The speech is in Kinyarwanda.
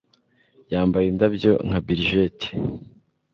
yambaye indabyo nka billigeti